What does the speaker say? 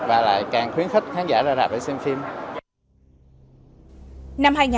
và lại càng khuyến khích khán giả ra rạp để xem phim